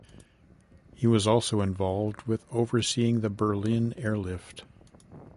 He was also involved with overseeing the Berlin Airlift.